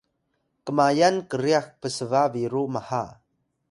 kmayan kryax psba biru maha